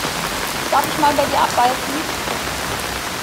Darf ich mal bei dir abbeißen?